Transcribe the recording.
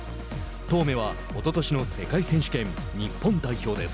當銘は、おととしの世界選手権日本代表です。